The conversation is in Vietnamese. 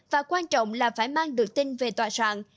và quan trọng là phải mang được tin về tòa soạn